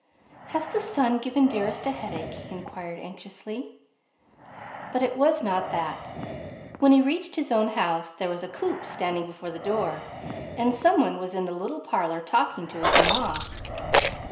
"Has the sun given Dearest a headache?" he inquired anxiously. But it was not that. When he reached his own house there was a coupe standing before the door and some one was in the little parlor talking to his mamma.